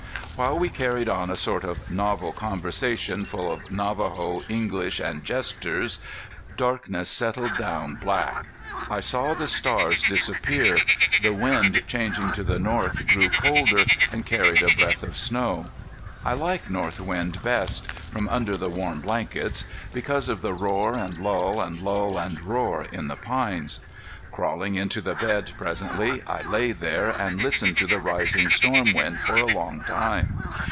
While we carried on a sort of novel conversation full of Navajo, English, and gestures, darkness settled down black. I saw the stars disappear; the wind changing to the north grew colder and carried a breath of snow. I like north wind best from under the warm blankets because of the roar and lull and lull and roar in the pines. Crawling into the bed presently, I lay there and listened to the rising storm wind for a long time.